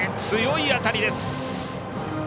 強い当たりです。